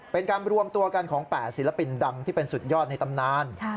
เป็นการรวมตัวกันของ๘ศิลปินดังที่เป็นสุดยอดในตำนาน